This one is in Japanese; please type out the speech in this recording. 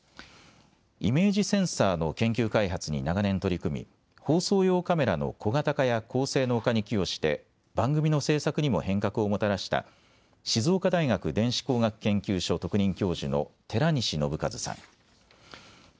イメージセンサーの研究開発に長年取り組み放送用カメラの小型化や高性能化に寄与して番組の制作にも変革をもたらした静岡大学電子工学研究所特任教授の寺西信一さん。